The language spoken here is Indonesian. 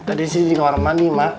tadinya sih di kamar mandi mak